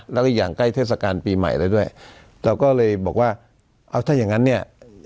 แล้วก็อย่างใกล้เทศกาลปีใหม่แล้วด้วยเราก็เลยบอกว่าเอาถ้าอย่างงั้นเนี่ย